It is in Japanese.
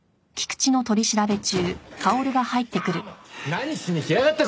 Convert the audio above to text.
何しに来やがった